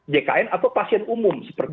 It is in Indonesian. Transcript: jkn atau pasien umum seperti itu